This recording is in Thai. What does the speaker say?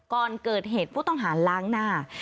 ก่อนเกิดเหตุผู้ต้องหาล้างหน้า